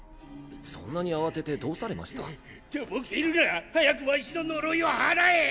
そんなに慌ててどうされました？とぼけるな！早くわしの呪いを祓え！